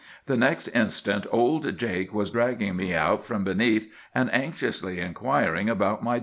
The next moment old Jake was dragging me out from beneath, and anxiously inquiring about my damages.